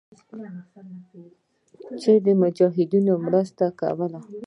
چې د مجاهدينو مرسته ئې کوله.